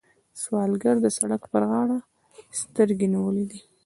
سوالګر د سړک پر غاړه سترګې نیولې وي